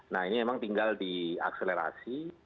nah ini memang tinggal diakselerasi